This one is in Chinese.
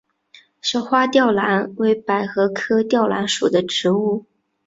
小花吊兰为百合科吊兰属的植物。